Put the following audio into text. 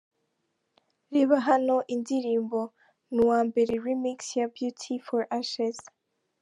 Reba hano indirimbo Ni Uwa Mbere Remix ya Beauty For Ashes.